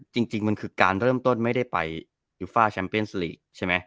จริงมันคือการเริ่มต้นไม่ได้ไปยูฟ่าแชมเปียนสลีกใช่ไหม